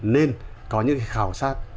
nên có những khảo sát